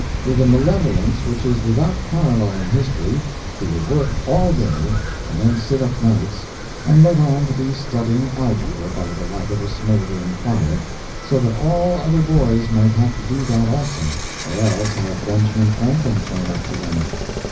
With a malevolence which is without parallel in history, he would work all day, and then sit up nights, and let on to be studying algebra by the light of a smoldering fire, so that all other boys might have to do that also, or else have Benjamin Franklin thrown up to them.